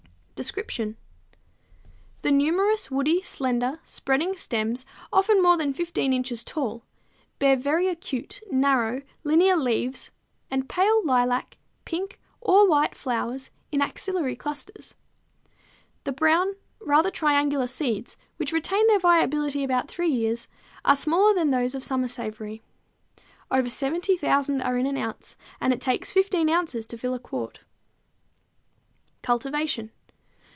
Description. The numerous woody, slender, spreading stems, often more than 15 inches tall, bear very acute, narrow, linear leaves and pale lilac, pink, or white flowers in axillary clusters. The brown, rather triangular seeds, which retain their vitality about three years, are smaller than those of summer savory. Over 70,000 are in an ounce, and it takes 15 ounces to fill a quart. _Cultivation.